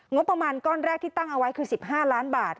งบประมาณก้อนแรกที่ตั้งเอาไว้คือ๑๕ล้านบาท